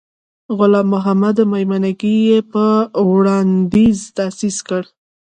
غلام محمد میمنګي یې په وړاندیز تأسیس کړ.